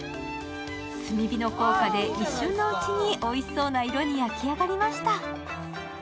炭火の効果で一瞬のうちに、おいしそうな色に焼き上がりました。